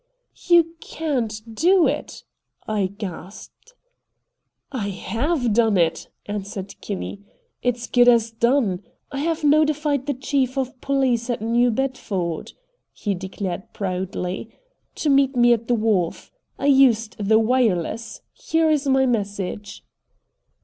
"You can't do it!" I gasped. "I HAVE done it!" answered Kinney. "It's good as done. I have notified the chief of police at New Bedford," he declared proudly, "to meet me at the wharf. I used the wireless. Here is my message."